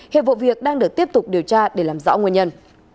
hiện vụ việc đang được tiếp tục điều tra để làm rõ nguyên nhân